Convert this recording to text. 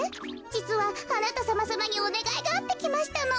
じつはあなたさまさまにおねがいがあってきましたの。